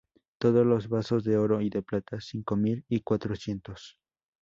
Todos los vasos de oro y de plata, cinco mil y cuatrocientos.